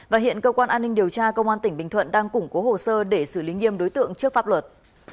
và hiện cơ quan an ninh điều tra công an tỉnh bình thuận đang củng cố hồ sơ để xử lý nghiêm đối tượng trước pháp luật